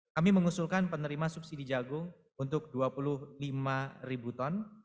kami mengusulkan penerima subsidi jagung untuk dua puluh lima ribu ton